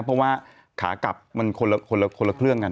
เพราะว่าขากลับมันคนละเครื่องกัน